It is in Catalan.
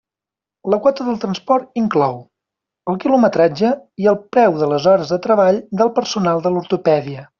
La quota del transport inclou: el quilometratge i el preu de les hores de treball del personal de l'ortopèdia.